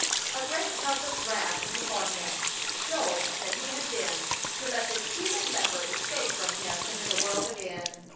A great helpless wrath was upon him. Dolt that he had been to let this human leper escape from him into the world again!